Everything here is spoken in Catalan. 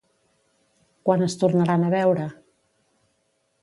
Quan es tornaran a veure?